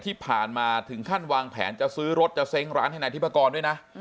ที่ผ่านมาถึงขั้นวางแผนจะซื้อรถจะเซ้งร้านให้นายทิพกรด้วยนะ